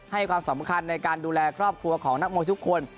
ให้ความสำคัญในการดูแลครอบครัวของนักมวยทุกคน